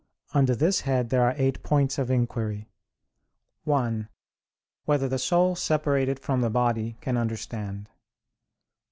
Under this head there are eight points of inquiry: (1) Whether the soul separated from the body can understand?